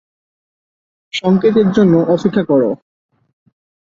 সংকেতের জন্য অপেক্ষা কর!